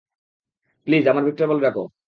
Please, আমায় Victor বলে ডাকো।